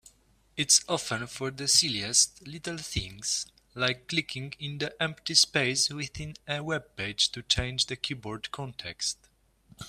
It's often for the silliest little things, like clicking in the empty space within a webpage to change the keyboard context.